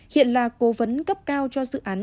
hiện là cố vấn cấp cao cho dự án